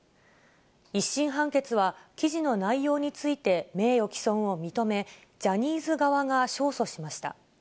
１審判決は記事の内容について名誉毀損を認め、ジャニーズ側が勝訴しました。